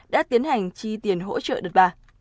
đã tiến hành chi tiền hỗ trợ đợt ba